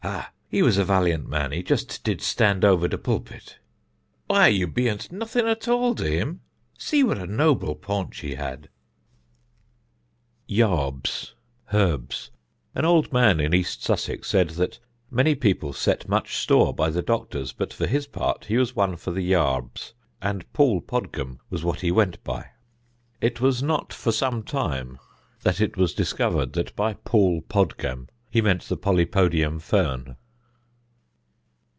"Ha! he was a valiant man; he just did stand over the pulpit! Why you bēānt nothing at all to him! See what a noble paunch he had!" [Sidenote: "PAUL PODGAM"] Yarbs (Herbs): An old man in East Sussex said that many people set much store by the doctors, but for his part, he was one for the yarbs, and Paul Podgam was what he went by. It was not for some time that it was discovered that by Paul Podgam he meant the polypodium fern.